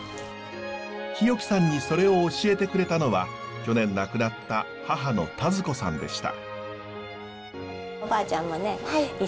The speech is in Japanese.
日置さんにそれを教えてくれたのは去年亡くなった母の田鶴子さんでした。